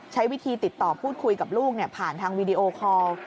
ใช้วิธีติดต่อพูดคุยกับลูกผ่านทางวีดีโอคอล